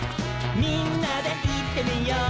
「みんなでいってみよう」